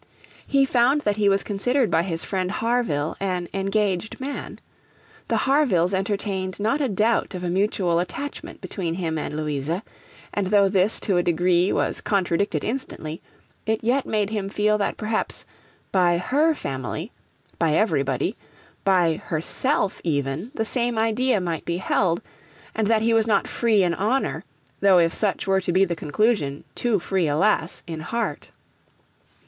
He found that he was considered by his friend Harville an engaged man. The Harvilles entertained not a doubt of a mutual attachment between him and Louisa; and though this to a degree was contradicted instantly, it yet made him feel that perhaps by her family, by everybody, by herself even, the same idea might be held, and that he was not free in honour, though if such were to be the conclusion, too free alas! in heart.